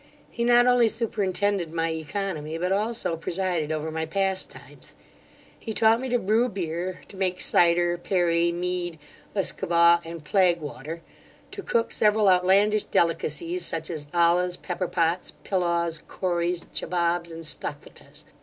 He not only superintended my oeconomy, but also presided over my pastimes He taught me to brew beer, to make cyder, perry, mead, usquebaugh, and plague water; to cook several outlandish delicacies, such as ollas, pepper pots, pillaws, corys, chabobs, and stufatas.